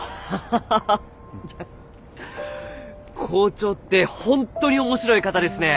校長って本当に面白い方ですね。